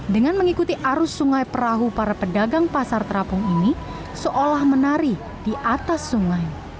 dengan mengikuti arus sungai perahu para pedagang pasar terapung ini seolah menari di atas sungai